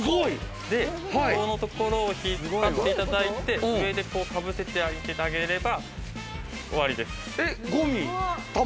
ここを引っ張っていただいて、上にかぶせてあげれば終わりです。